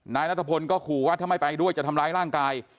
นายนัทพลก็ขู่ว่าถ้าไม่ไปด้วยจะทำร้ายร่างกาย